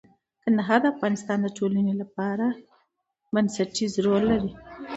کندهار د افغانستان د ټولنې لپاره بنسټيز رول لري.